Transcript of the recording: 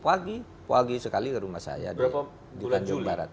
pagi pagi sekali ke rumah saya di tanjung barat